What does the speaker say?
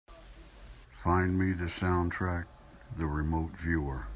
Find me the soundtrack The Remote Viewer